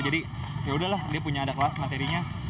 jadi yaudah lah dia punya ada kelas materinya